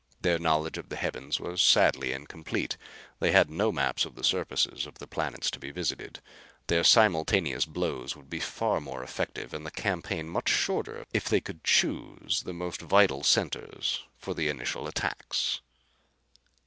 Their knowledge of the heavens was sadly incomplete. They had no maps of the surfaces of the planets to be visited. Their simultaneous blows would be far more effective and the campaign much shorter if they could choose the most vital centers for the initial attacks.